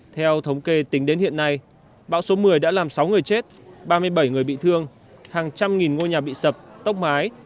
theo thống kê tính đến hiện nay bão số một mươi đã làm sáu người chết ba mươi bảy người bị thương hàng trăm nghìn ngôi nhà bị sập tốc mái